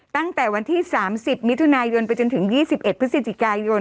ตั้งแต่วันที่๓๐มิถุนายนไปจนถึง๒๑พฤศจิกายน